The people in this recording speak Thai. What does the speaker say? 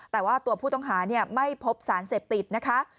แต่ว่าตัวผู้ต้องหาไม่พบสารเสพติดนะคะ